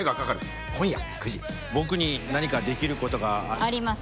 僕に何かできることが？あります。